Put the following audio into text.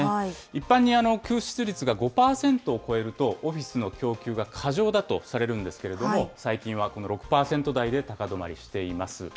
一般に空室率が５％を超えると、オフィスの供給が過剰だとされるんですけれども、最近はこの６％台で高止まりしています。